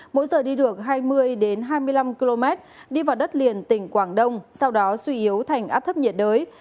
mỗi giờ đi được hai mươi hai mươi năm km đi vào đất liền tỉnh quảng đông sau đó suy yếu thành áp thấp nhiệt đới